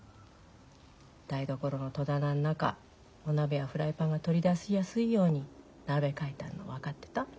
台所の戸棚の中お鍋やフライパンが取り出しやすいように並べ替えたの分かってた？